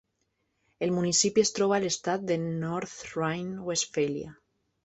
El municipi es troba a l'estat de North Rhine-Westphalia.